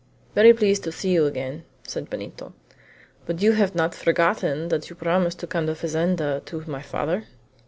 "Very pleased to see you again," said Benito; "but you have not forgotten that you promised to come to the fazenda to my father?"